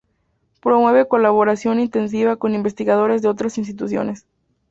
Promueve colaboración intensiva con investigadores de otras instituciones.